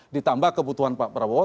ditambah kebutuhan pak prabowo